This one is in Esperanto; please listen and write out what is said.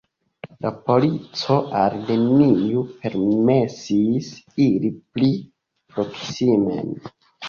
La polico al neniu permesis iri pli proksimen.